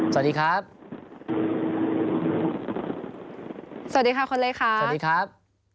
สวัสดีครับคนเล็กครับสวัสดีครับ